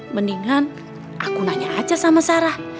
mendingan aku nanya aja sama sarah